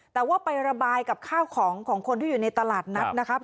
แต่ว่าไประบายกับข้าวของของคนที่อยู่ในตลาดนัดนะครับ